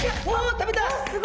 食べた！